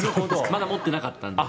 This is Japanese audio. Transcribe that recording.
まだ持っていなかったので。